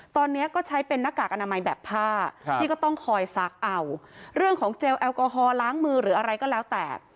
ตอนนี้ก็ใช้เป็นหน้ากากอนามัยแบบผ้าที่ก็ต้องคอยซักเอาเรื่องของเจลแอลกอฮอลล้างมือหรืออะไรก็แล้วแต่